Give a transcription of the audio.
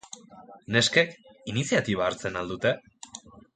Neskek, iniziatiba hartzen al dute?